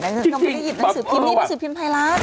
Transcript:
เราไม่ได้หยิบหนังสือพิมพ์ให้ไปสือพิมพ์ภายลักษณ์